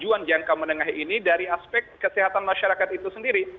tujuan jangka menengah ini dari aspek kesehatan masyarakat itu sendiri